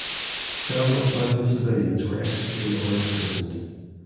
Several thousand civilians were executed or imprisoned.